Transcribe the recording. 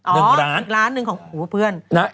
หนึ่งล้านหนึ่งของผู้เพื่อน